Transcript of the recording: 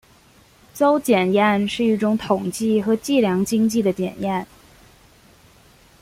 邹检验是一种统计和计量经济的检验。